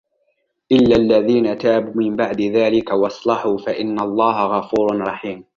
إلا الذين تابوا من بعد ذلك وأصلحوا فإن الله غفور رحيم